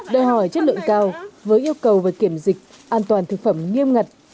đòi hỏi chất lượng cao với yêu cầu về kiểm dịch an toàn thực phẩm nghiêm ngặt